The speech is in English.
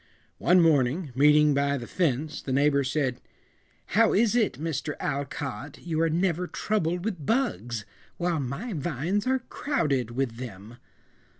One morning, meeting by the fence, the neighbor said, "How is it, Mr. Alcott, you are never troubled with bugs, while my vines are crowded with them?"